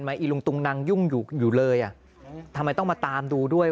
อีลุงตุงนังยุ่งอยู่อยู่เลยอ่ะทำไมต้องมาตามดูด้วย